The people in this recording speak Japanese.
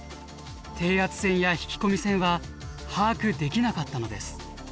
低圧線や引き込み線は把握できなかったのです。